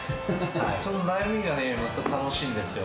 その悩みがね、また楽しいんですよ。